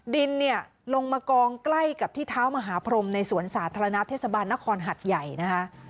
ดินเนี่ยลงมากองใกล้กับที่เท้ามหาพรมในสวนสาธารณะเทศบาลนครหัดใหญ่นะคะ